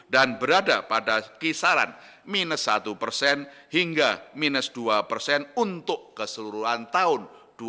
dan berada pada kisaran minus satu persen hingga minus dua persen untuk keseluruhan tahun dua ribu dua puluh